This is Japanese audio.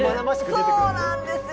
そうなんですよ！